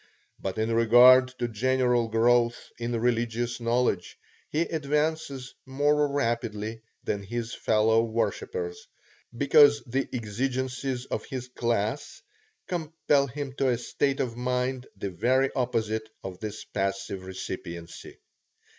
But in regard to general growth in religious knowledge, he advances more rapidly than his fellow worshippers, because the exigencies of his class compel him to a state of mind the very opposite of this passive recipiency.